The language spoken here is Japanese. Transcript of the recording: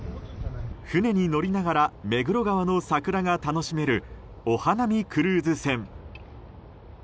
船に乗りながら目黒川の桜が楽しめるお花見クルーズ船。